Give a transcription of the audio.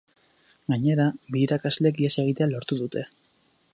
Gainera, bi irakaslek ihes egitea lortu dute.